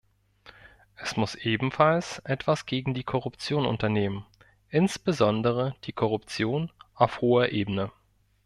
Es muss ebenfalls etwas gegen die Korruption unternehmen, insbesondere die Korruption auf hoher Ebene.